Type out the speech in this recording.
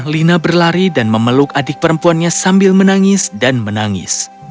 lina berlari dan memeluk adik perempuannya sambil menangis dan menangis